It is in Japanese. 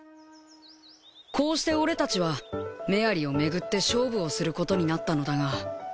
こうして俺たちはメアリをめぐって勝負をすることになったのだが。